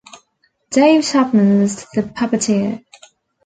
Dave Chapman was the puppeteer.